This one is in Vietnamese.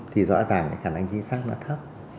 thì rõ ràng khả năng chính xác nó thấp